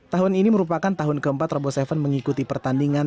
tahun ini merupakan tahun keempat robo tujuh mengikuti pertandingan